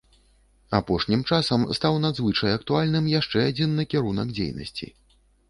Апошнім часам стаў надзвычай актуальным яшчэ адзін накірунак дзейнасці.